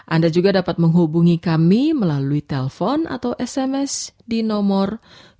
anda juga dapat menghubungi kami melalui telpon atau sms di nomor delapan ratus sembilan puluh tiga